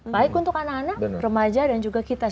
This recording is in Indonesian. baik untuk anak anak remaja dan juga kita